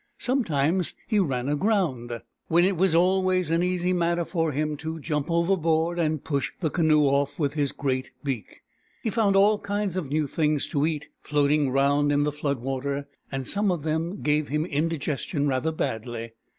Sometimes he ran aground. 90 BOORAN, THE PELICAN when it was always an easy matter for him to jump overboard and push the canoe off with his great beak. He found all kinds of new things to eat, floating round in the flood water ; and some of them gave him indigestion rather badly.